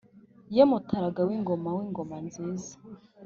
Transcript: ye mutagara w’ingoma wingoma nziza